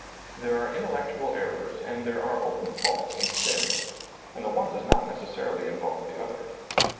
There are in tellectual errors and there are open faults and sins, and the one does not necessarily involve the other.